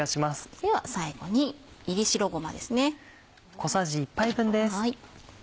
では最後に炒り白ごまですね。